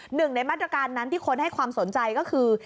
หนึ่งในมาตรการนั้นที่คนให้ความสนใจก็คือ